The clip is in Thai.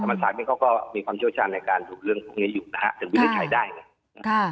ธรรมชาตินี่เขาก็มีความเช่าชาญในการถูกเรื่องของนี้อยู่นะฮะถึงวินิจฉัยได้นะฮะ